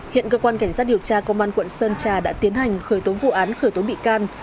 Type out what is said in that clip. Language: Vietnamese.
hiện cơ quan cảnh sát điều tra công an quận sơn trà đã tiến hành khởi tố vụ án khởi tố bị can